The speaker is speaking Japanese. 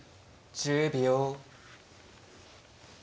１０秒。